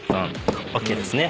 ＯＫですね。